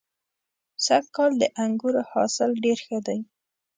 سږ کال د انګورو حاصل ډېر ښه دی.